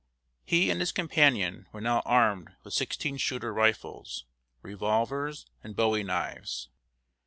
He and his companion were now armed with sixteen shooter rifles, revolvers, and bowie knives.